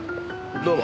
どうも。